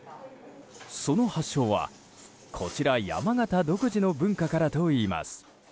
その発祥は、こちら山形独自の文化からといいます。